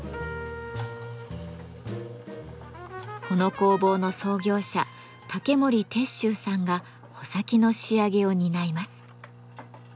この工房の創業者竹森鉄舟さんが穂先の仕上げを担います。